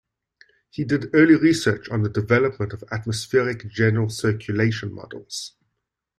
He did early research on the development of atmospheric general circulation models.